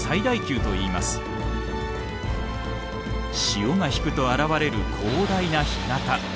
潮が引くと現れる広大な干潟。